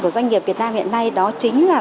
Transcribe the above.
của doanh nghiệp việt nam hiện nay đó chính là